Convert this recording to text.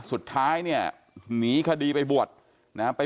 สุดท้ายเนี่ยหนีคดีไปบวชนะฮะ